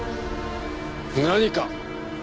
何か？